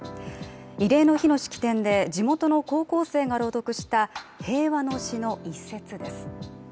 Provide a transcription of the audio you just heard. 慰霊の日の式典で地元の高校生が朗読した平和の詩の一節です。